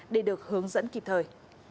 để được hướng dẫn kịp thời